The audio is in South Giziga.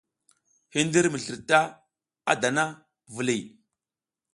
Hindir mi slirta a dana, viliy.